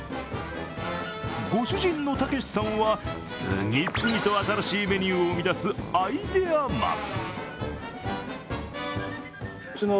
ご主人の武さんは、次々と新しいメニューを生み出すアイデアマン。